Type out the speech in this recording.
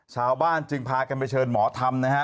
ชาวบ้านจึงพากันไปเชิญหมอธรรมนะฮะ